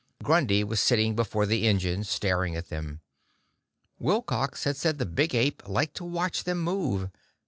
Grundy was sitting before the engines, staring at them. Wilcox had said the big ape liked to watch them move